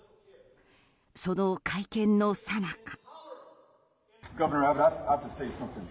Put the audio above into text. その会見のさなか。